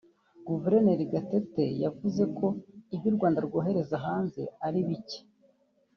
Guverineri Gatete yavuze ko ibyo u Rwanda rwohereza hanze ari bike